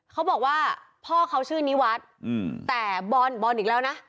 เขาบอกว่าพ่อเขาชื่อนิวัฒน์แต่บอลบอลอีกแล้วนะ